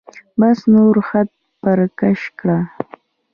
بس نور خط پر کش کړئ.